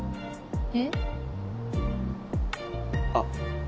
えっ？あっ。